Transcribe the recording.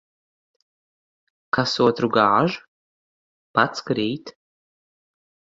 Kas otru gāž, pats krīt.